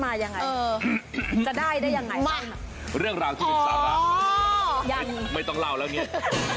มาเรื่องราวที่ทำสาระไม่ต้องเล่าแล้วเนี่ย